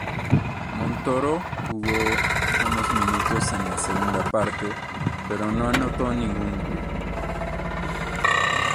Montoro jugó unos minutos en la segunda parte, pero no anotó ningún gol.